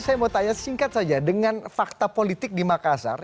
saya mau tanya singkat saja dengan fakta politik di makassar